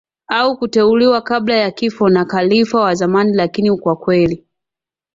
au kuteuliwa kabla ya kifo na khalifa wa zamani Lakini kwa kweli